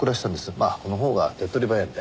まあこのほうが手っ取り早いので。